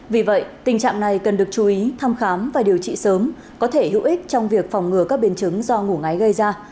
vì vậy tình trạng này cần được chú ý thăm khám và điều trị sớm có thể hữu ích trong việc phòng ngừa các biến chứng do ngủ ngáy gây ra